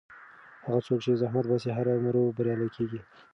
هغه څوک چې زحمت باسي هرو مرو بریالی کېږي.